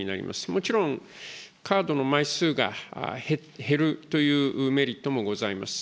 もちろん、カードの枚数が減るというメリットもございます。